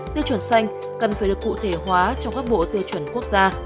tiêu chuẩn xanh cần phải được cụ thể hóa trong các bộ tiêu chuẩn quốc gia